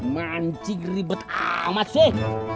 mancing ribet amat sih